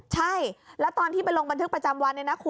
ใช่แล้วตอนที่ไปลงบันทึกประจำวัน